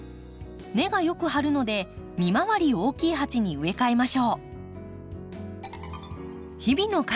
根がよく張るので三回り大きい鉢に植え替えましょう。